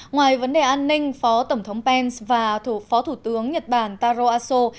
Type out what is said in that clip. ngoài vấn đề an ninh phó tổng thống pence và thủ phó thủ tướng nhật bản taro aso